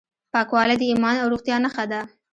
پاکوالی د ایمان او روغتیا نښه ده.